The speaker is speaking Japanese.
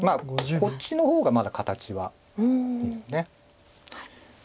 こっちの方がまだ形はいいです。